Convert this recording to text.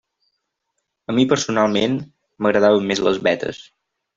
A mi personalment, m'agradaven més les vetes.